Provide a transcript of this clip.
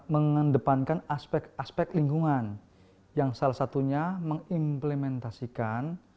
mengedepankan aspek aspek lingkungan yang salah satunya mengimplementasikan